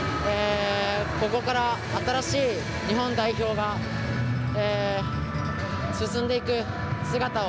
ここから、新しい日本代表が進んでいく姿を